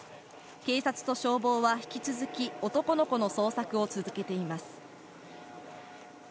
警察と消防は引き続き、男の子の捜索を続けています。